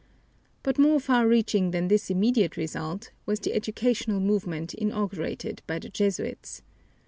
But more far reaching than this immediate result was the educational movement inaugurated by the Jesuits.